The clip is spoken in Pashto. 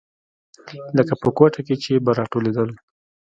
لکه په کوټه کښې چې به راټولېدل.